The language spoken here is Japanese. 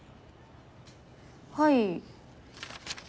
はい。